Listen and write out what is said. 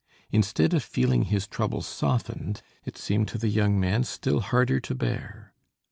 Instead of feeling his trouble softened, it seemed to the young man still harder to bear.